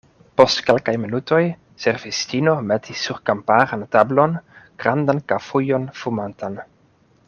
Post kelkaj minutoj, servistino metis sur kamparan tablon grandan kafujon fumantan.